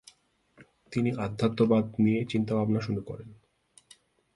তিনি আধ্যাত্ম্যবাদ নিয়ে চিন্তাভাবনা শুরু করেন।